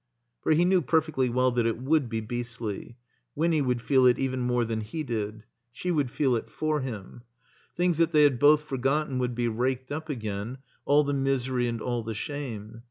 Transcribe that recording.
For he knew perfectly well that it would be beastly. Winny would feel it even more than he did. She 354 THE COMBINED MAZE would fed it for him. Things that they had both forgotten would be raked up again, all the misery and all the shame.